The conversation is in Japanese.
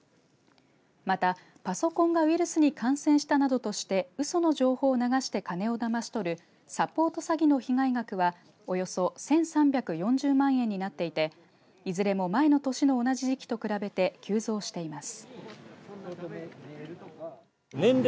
また、パソコンがウイルスに感染したなどとしてうその情報を流して金をだまし取るサポート詐欺の被害額はおよそ１３４０万円になっていていずれも前の年の同じ時期と比べて急増しています。